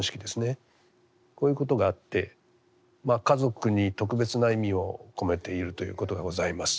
こういうことがあって家族に特別な意味を込めているということがございます。